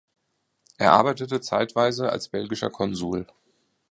Er arbeitete zeitweise als belgischer Konsul.